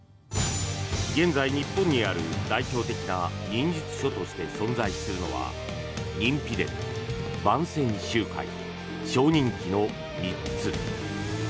現在日本にある代表的な忍者書として存在するのは「忍秘伝」、「万川集海」「正忍記」の３つ。